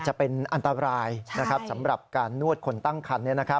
จะเป็นอันตรายสำหรับการนวดคนตั้งคัน